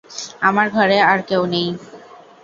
আমার ঘরে আর-কেউ নেই।